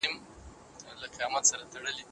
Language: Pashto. مسووليت منل د ښه انسان خوي دی.